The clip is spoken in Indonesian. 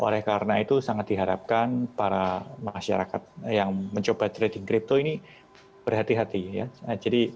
oleh karena itu sangat diharapkan para masyarakat yang mencoba trading crypto ini berhati hati ya